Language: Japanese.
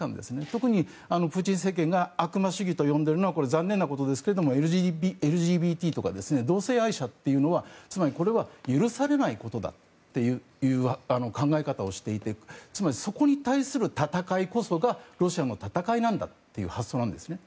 特にプーチン政権が悪魔主義と呼んでいるのは残念なことですがＬＧＢＴとか同性愛者というのはつまり、これは許されないことだという考え方をしていてつまりそこに対する戦いこそがロシアの戦いなんだという発想なんですね。